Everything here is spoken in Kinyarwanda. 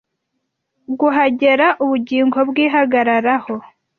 Guhagera. Ubugingo bwihagararaho.